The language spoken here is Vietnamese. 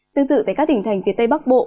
tương tự tại các tỉnh thành phía tây bắc bộ